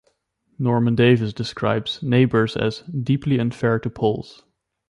Norman Davies describes "Neighbors" as "deeply unfair to Poles".